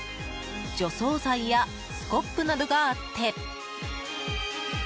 除草剤やスコップなどがあって。